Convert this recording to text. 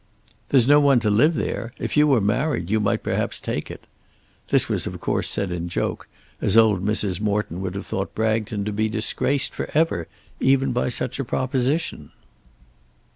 "There's no one to live there. If you were married you might perhaps take it." This was of course said in joke, as old Mrs. Morton would have thought Bragton to be disgraced for ever, even by such a proposition.